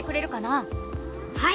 はい！